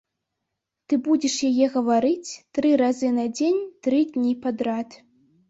Ты будзеш яе гаварыць тры разы на дзень тры дні падрад.